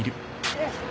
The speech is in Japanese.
よいしょ。